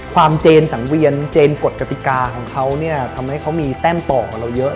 เจนสังเวียนเจนกฎกติกาของเขาเนี่ยทำให้เขามีแต้มต่อกับเราเยอะ